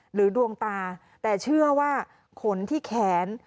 ดวงตาแต่เชื่อว่าขนที่แขน